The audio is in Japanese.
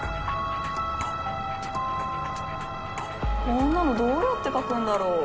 こんなのどうやって描くんだろう？